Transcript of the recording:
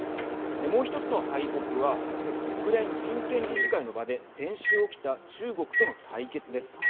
もう１つの敗北は国連人権理事会の場で先週起きた中国との対決です。